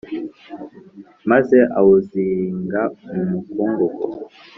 maze awuziringa mu mukungugu.